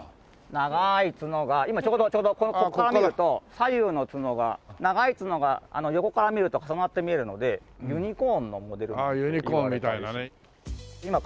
長い角が今ちょうどここから見ると左右の角が長い角が横から見ると重なって見えるのでユニコーンのモデルになったといわれてます。